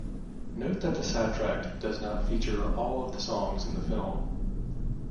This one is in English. Note that the soundtrack does not feature all of the songs in the film.